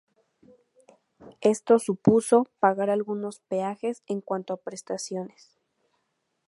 Esto supuso pagar algunos peajes en cuanto a prestaciones.